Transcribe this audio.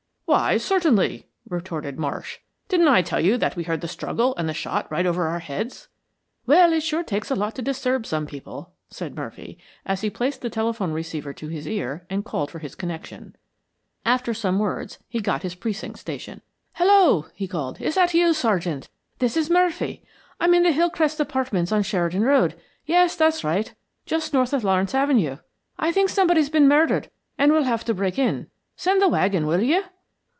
"Why certainly," retorted Marsh. "Didn't I tell you that we heard the struggle and the shot right over our heads?" "Well, it sure takes a lot to disturb some people," said Murphy, as he placed the telephone receiver to his ear and called for his connection. After some words he got his precinct station. "Hello!" he called. "Is that you, Sergeant? This is Murphy. I'm in the Hillcrest apartments on Sheridan Road... Yes, that's right.... Just north of Lawrence Avenue. I think somebody's been murdered and we'll have to break in. Send the wagon, will you?